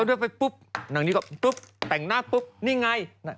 ก็เลยไปปึ๊บนับไปปึ๊บแต่งหน้ากันปุ๊บนี่ไง